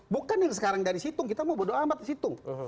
bukan yang sekarang dari situng kita mau bodoh amat di situng